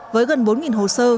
với gần bốn hồ sơ